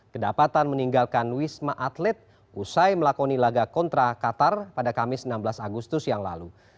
kedapatan meninggalkan wisma atlet usai melakoni laga kontra qatar pada kamis enam belas agustus yang lalu